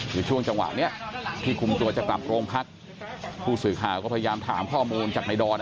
คือช่วงจังหวะนี้ที่คุมตัวจะกลับโรงพักผู้สื่อข่าวก็พยายามถามข้อมูลจากในดอน